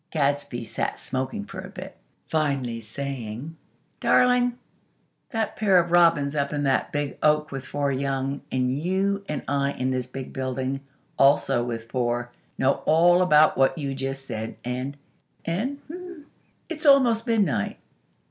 Gadsby sat smoking for a bit, finally saying: "Darling, that pair of robins up in that big oak with four young, and you and I in this big building, also with four, know all about what you just said; and, and, hmmm! It's almost midnight."